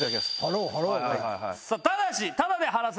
ただし。